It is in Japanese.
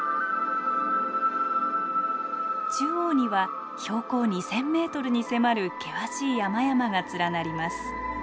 中央には標高２，０００メートルに迫る険しい山々が連なります。